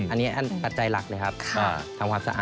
อันนี้ปัจจัยหลักเลยครับทำความสะอาด